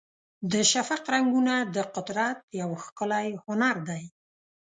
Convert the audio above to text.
د شفق رنګونه د قدرت یو ښکلی هنر دی.